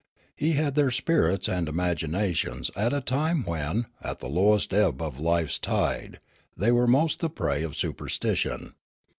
He had their spirits and imaginations at a time when, at the lowest ebb of life's tide, they were most the prey of superstition.